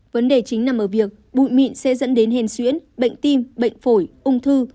vấn đề chính nằm ở việc bụi mịn sẽ dẫn đến hèn xuyễn bệnh tim bệnh phổi ung thư